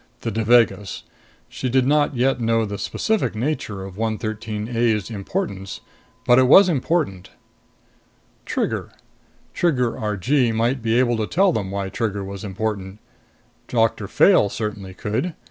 The Devagas. She did not yet know the specific nature of 113 A's importance. But it was important. Trigger: Trigger Argee might be able to tell them why Trigger was important. Doctor Fayle certainly could.